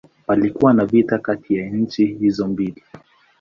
Palikuwa na vita kati ya nchi hizo mbili.